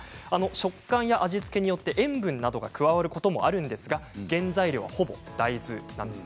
食感や味付けによって塩分などが加わることもあるんですが原材料はほぼ大豆なんです。